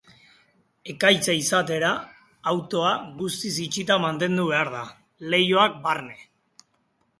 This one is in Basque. Ekaitza izatera, autoa guztiz itxita mantendu behar da, leihoak barne.